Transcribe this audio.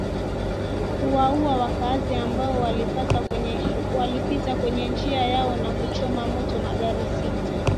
kuwaua wakaazi ambao walipita kwenye njia yao na kuchoma moto magari sita